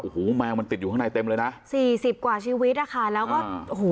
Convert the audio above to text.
โอ้โหแมวมันติดอยู่ข้างในเต็มเลยนะสี่สิบกว่าชีวิตอ่ะค่ะแล้วก็โอ้โห